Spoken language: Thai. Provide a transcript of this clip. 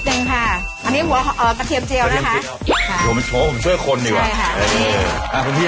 เทคนิคการคลมได้ไหมพี่